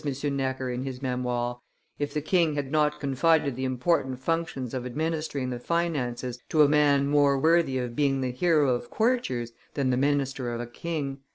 Necker in his Memoires, "if the king had not confided the important functions of administering the finances to a man more worthy of being the hero of courtiers than the minister of a king.